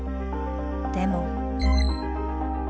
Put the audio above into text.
でも。